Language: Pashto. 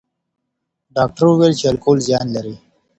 ډاکټر وویل چې الکول زیان لري.